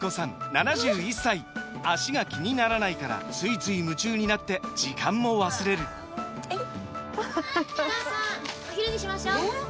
７１歳脚が気にならないからついつい夢中になって時間も忘れるお母さんお昼にしましょうえー